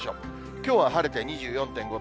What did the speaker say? きょうは晴れて２４．５度。